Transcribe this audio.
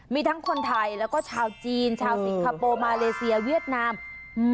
มีทั้งคนไทยแล้วก็ชาวจีนชาวสิงคโปร์มาเลเซียเวียดนามอืม